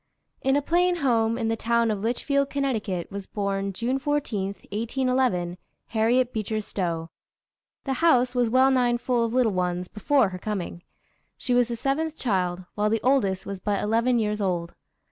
] In a plain home, in the town of Litchfield, Conn., was born, June 14, 1811, Harriet Beecher Stowe. The house was well nigh full of little ones before her coming. She was the seventh child, while the oldest was but eleven years old.